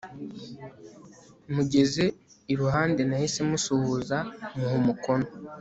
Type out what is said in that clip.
Mugeze iruhande nahise musuhuza muha umukono